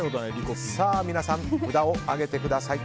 皆さん、札を挙げてください。